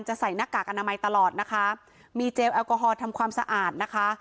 ใส่หน้ากากอนามัยตลอดนะคะมีเจลแอลกอฮอลทำความสะอาดนะคะ